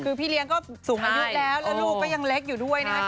คือพี่เลี้ยงก็สูงอายุแล้วแล้วลูกก็ยังเล็กอยู่ด้วยนะครับ